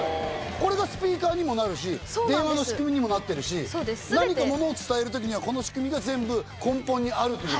これがスピーカーにもなるし電話の仕組みにもなってるし何かものを伝える時にはこの仕組みが全部根本にあるっていうことだね。